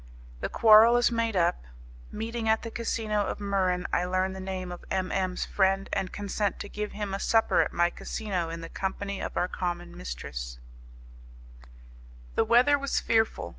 The Quarrel is Made Up Meeting at the Casino of Muran I Learn the Name of M. M.'s Friend, and Consent to Give Him A Supper at My Casino in the Company of Our Common Mistress The weather was fearful.